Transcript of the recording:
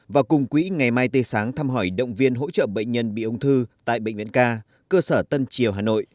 và cùng quỹ ngày mai tươi sáng thăm hỏi động viên hỗ trợ bệnh nhân bị ung thư tại bệnh viện ca cơ sở tân triều hà nội